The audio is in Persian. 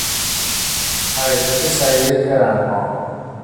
حرکت سریع ترنها